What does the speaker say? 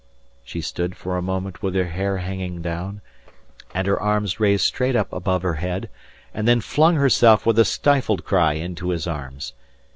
She stood for a moment with her hair hanging down and her arms raised straight up above her head, and then flung herself with a stifled cry into his arms.